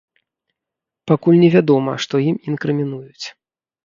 Пакуль невядома, што ім інкрымінуюць.